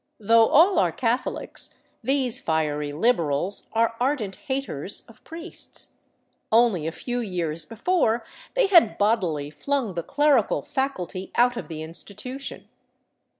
Though all are Catholics, these fiery " liberals '* are ardent haters of priests ; only a few years before they had bodily flung the " clerical " faculty out of the institution.